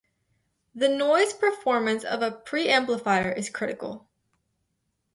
The noise performance of a preamplifier is critical.